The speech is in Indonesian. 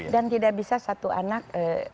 dan tidak bisa satu anak